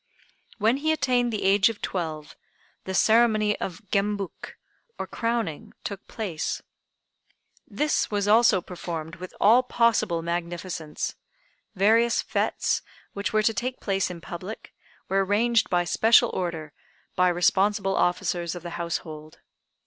When he attained the age of twelve the ceremony of Gembuk (or crowning) took place. This was also performed with all possible magnificence. Various fêtes, which were to take place in public, were arranged by special order by responsible officers of the Household.